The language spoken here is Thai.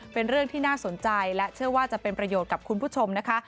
เป็นเรื่องที่น่าสนใจและเชื่อว่าจะเป็นประโยชน์กับคุณผู้ชมนะคะ